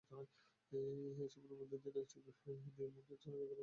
এসবের মধ্য দিয়ে নাক চেপে, মুখ ঢেকে চলাচল করছেন সাধারণ পথচারীরা।